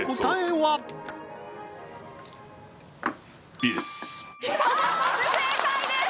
はっ不正解です